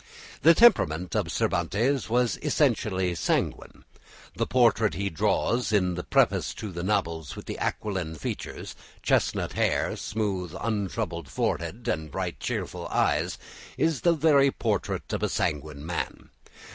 The temperament of Cervantes was essentially sanguine. The portrait he draws in the preface to the novels, with the aquiline features, chestnut hair, smooth untroubled forehead, and bright cheerful eyes, is the very portrait of a sanguine man.